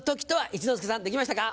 一之輔さんできましたか？